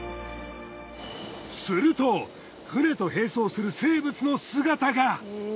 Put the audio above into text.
すると船と並走する生物の姿が。